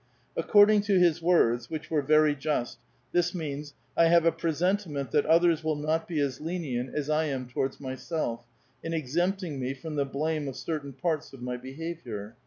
Ac cprding to his words, which were very just, this means : I have a presentiment that others will not be as lenient as I am towards myself, in exempting me from the blame of cei*tain parts of my behavior.